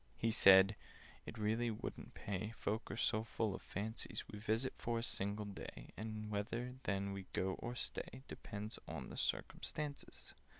He said "It really wouldn't pay— Folk are so full of fancies. We visit for a single day, And whether then we go, or stay, Depends on circumstances.